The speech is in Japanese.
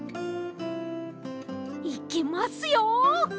いきますよ！